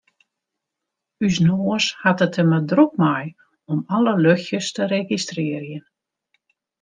Us noas hat it der mar drok mei om alle luchtsjes te registrearjen.